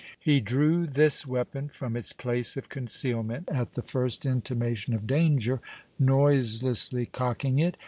He drew this weapon from its place of concealment at the first intimation of danger, noiselessly cocking it.